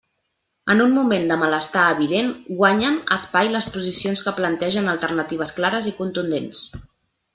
En un moment de malestar evident guanyen, espai les posicions que plantegen alternatives clares i contundents.